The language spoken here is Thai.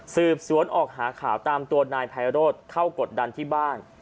สืบสวนออกหาข่าวตามตัวนายไพโรธเข้ากดดันที่บ้าน